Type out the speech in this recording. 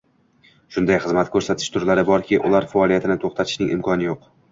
Shunday xizmat koʻrsatish turlari borki, ular faoliyatini toʻxtatishning imkoni yoʻq.